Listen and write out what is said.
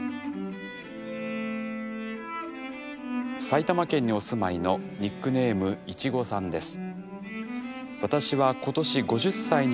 埼玉県にお住まいのニックネームいちごさんです。